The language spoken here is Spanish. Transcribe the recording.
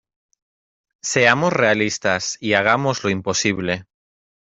Seamos realistas y hagamos lo imposible.